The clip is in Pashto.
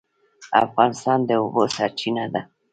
افغانستان د اوبو سرچینه ده